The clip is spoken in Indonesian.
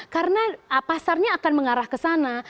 karena pasarnya akan mengarah ke sana